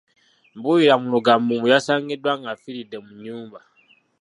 Mbiwulira mu lugambo mbu yasangiddwa nga afiridde mu nnyumba.